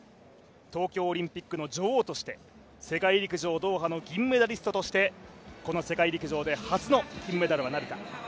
東京オリンピックの女王として世界陸上ドーハの銀メダリストとしてこの世界陸上で初の金メダルはなるか。